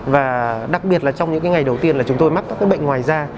và đặc biệt là trong những ngày đầu tiên là chúng tôi mắc các cái bệnh ngoài da